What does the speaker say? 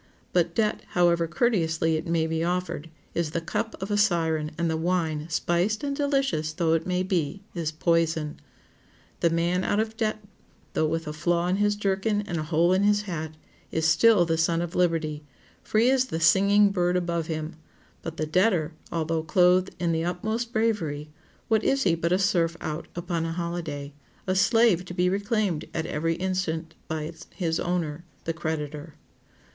But debt, however courteously it may be offered, is the cup of a siren, and the wine, spiced and delicious though it be, is poison. The man out of debt, though with a flaw in his jerkin and a hole in his hat, is still the son of liberty, free as the singing bird above him; but the debtor, although clothed in the utmost bravery, what is he but a serf out upon a holiday? a slave to be reclaimed at every instant by his owner, the creditor?